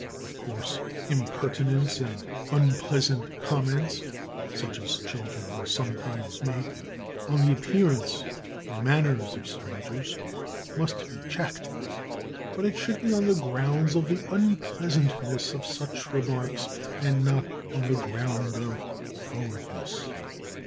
Of course impertinence and unpleasant comments, such as children will sometimes make on the appearance or manners of strangers, must be checked, but it should be on the grounds of the unpleasantness of such remarks, and not on the ground of forwardness.